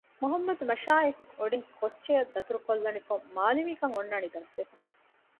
މުޙައްމަދު މަށާއެކު އޮޑިން ކޮއްޗެއަށް ދަތުރެއްކޮށްލަނިކޮށް މާލިމީކަން އޮންނާނީ ދަސްވެފަ